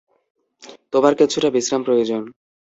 তোমার কিছুটা বিশ্রাম প্রয়োজন।